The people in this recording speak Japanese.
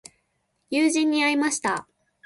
友人に会いました。